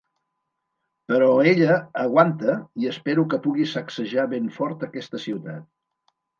Però ella aguanta i espero que pugui sacsejar ben fort aquesta ciutat.